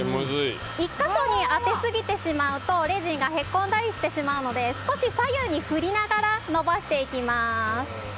１か所に当て過ぎてしまうとレジンがへこんだりしてしまうので少し左右に振りながら延ばしていきます。